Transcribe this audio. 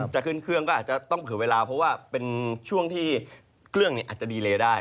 จะขึ้นเครื่องก็อาจจะต้องเผื่อเวลาเพราะว่าเป็นช่วงที่เครื่องอาจจะดีเลได้